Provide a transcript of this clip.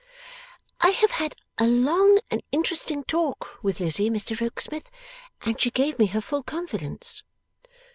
'I have had a long and interesting talk with Lizzie, Mr Rokesmith, and she gave me her full confidence.